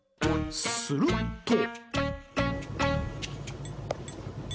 すると。